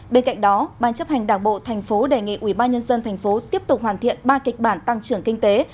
bên cạnh đó ban chấp hành đảng bộ tp đề nghị ubnd tp tiếp tục hoàn thiện ba kịch bản tăng trưởng kinh tế